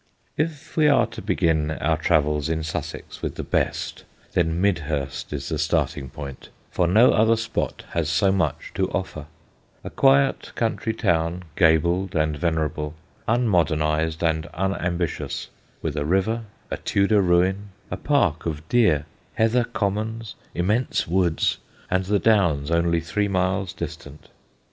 [Sidenote: MIDHURST] If we are to begin our travels in Sussex with the best, then Midhurst is the starting point, for no other spot has so much to offer: a quiet country town, gabled and venerable, unmodernised and unambitious, with a river, a Tudor ruin, a park of deer, heather commons, immense woods, and the Downs only three miles distant.